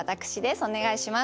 お願いします。